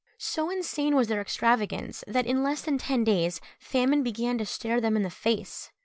So insane was their extravagance, that in less than ten days famine began to stare them in the face.